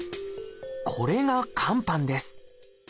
これが肝斑です。